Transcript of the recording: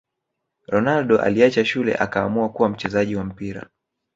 Ronaldo aliacha shule akaamua kuwa mchezaji wa mpira